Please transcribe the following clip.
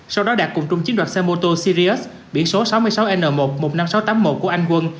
sau đó đạt cùng chung chiếm đoạt xe mô tô sirius biển số sáu mươi sáu n một một mươi năm nghìn sáu trăm tám mươi một của anh quân